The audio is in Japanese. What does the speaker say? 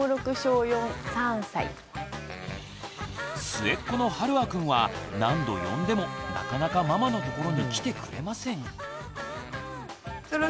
末っ子のはるあくんは何度呼んでもなかなかママのところに来てくれません。